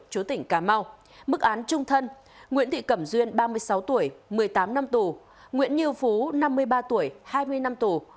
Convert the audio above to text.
chú tỉnh cà mau mức án trung thân nguyễn thị cẩm duyên ba mươi sáu tuổi một mươi tám năm tù nguyễn như phú năm mươi ba tuổi hai mươi năm tù